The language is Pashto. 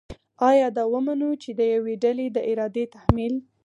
آیا دا ومنو چې د یوې ډلې د ارادې تحمیل